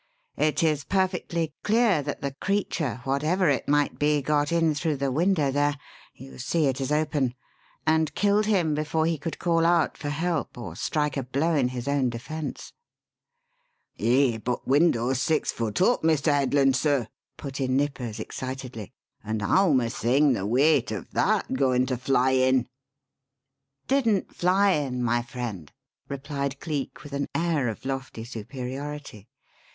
It is perfectly clear that the creature, whatever it might be, got in through the window there (you see it is open) and killed him before he could call out for help or strike a blow in his own defence." "Eh, but window's six foot up, Mr. Headland, sir," put in Nippers excitedly; "and howm a thing the weight o' that goin' to fly in?" "Didn't fly in, my friend," replied Cleek with an air of lofty superiority.